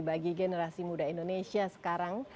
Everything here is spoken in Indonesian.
bagi generasi muda indonesia sekarang